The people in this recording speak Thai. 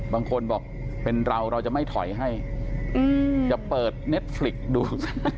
บางคนบอกเป็นเราเราจะไม่ถอยให้จะเปิดเน็ตฟลิกดู